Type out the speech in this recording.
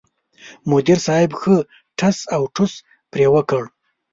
مدیر صاحب ښه ټس اوټوس پرې وکړ.